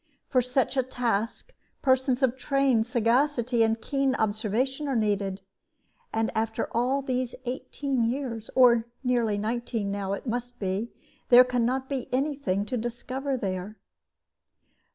For such a task, persons of trained sagacity and keen observation are needed. And after all these eighteen years, or nearly nineteen now it must be, there can not be any thing to discover there."